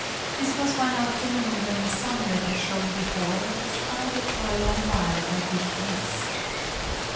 This was one afternoon when the sun that had shone before, was shrouded for a long while by dim mist.